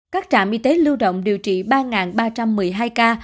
các trạm y tế lưu động điều trị ba ba trăm một mươi hai ca